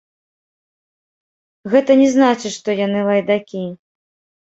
Гэта не значыць, што яны лайдакі.